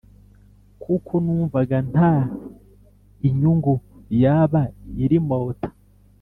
kuko numvaga nta inyungu yaba irimota